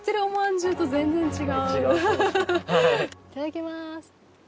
いただきます。